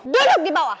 duduk di bawah